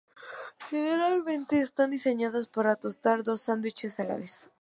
Generalmente, están diseñadas para tostar dos sándwiches a la vez.